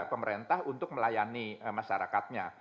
pemerintah untuk melayani masyarakatnya